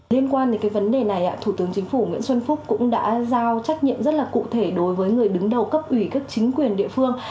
liên quan đến cái vấn đề này thủ tướng chính phủ nguyễn xuân phúc cũng đã giao trách nhiệm rất là cụ thể đối với người đứng đầu cấp ủy cấp chính quyền địa phương